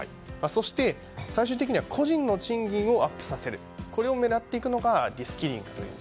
そして、最終的には個人の賃金をアップさせるこれを狙っていくのがリスキリングと。